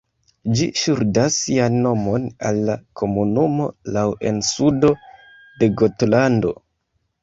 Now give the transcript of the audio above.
Ĝi ŝuldas sian nomon al la komunumo Lau en sudo de Gotlando.